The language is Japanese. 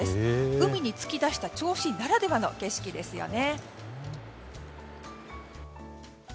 海につき出した銚子ならではの景色ですよね。